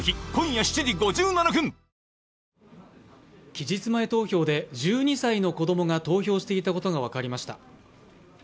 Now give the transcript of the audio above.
期日前投票で１２歳の子供が投票していたことが分かりました。